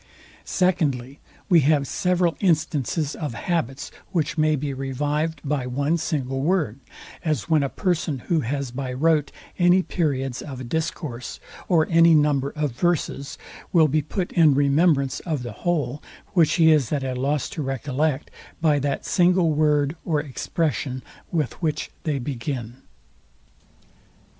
Secondly, we have several instances of habits, which may be revived by one single word; as when a person, who has by rote any periods of a discourse, or any number of verses, will be put in remembrance of the whole, which he is at a loss to recollect, by that single word or expression, with which they begin.